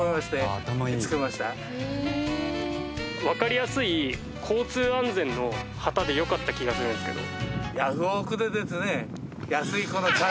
わかりやすい交通安全の旗でよかった気がするんですけど。